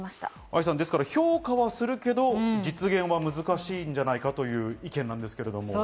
愛さん、評価はするけど実現は難しいんじゃないかという意見なんですけども。